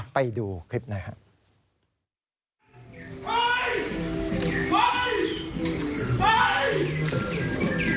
ไปดูคลิปหน่อยครับ